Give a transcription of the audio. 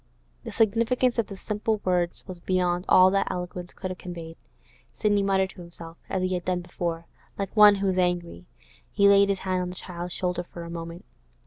The significance of the simple words was beyond all that eloquence could have conveyed. Sidney muttered to himself, as he had done before, like one who is angry. He laid his hand on the child's shoulder for a moment.